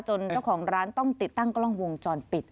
เจ้าของร้านต้องติดตั้งกล้องวงจรปิด